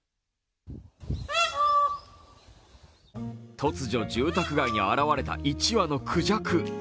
突如、住宅街に現れた１羽のくじゃく。